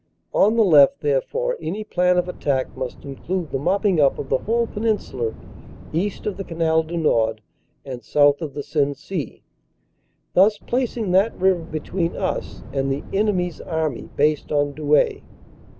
On the left, therefore, any plan of attack must include the mopping up of the whole peninsula east of the Canal du Nord and south of the Sensee, thus placing that river between us and the enemy s army based on Douai.